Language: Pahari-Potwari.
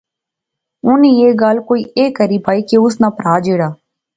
انی ایہہ گل کوئی ایہھاں کری بائی کہ اس ناں پرھا جیہڑا